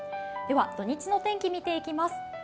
土・日の天気を見ていきます。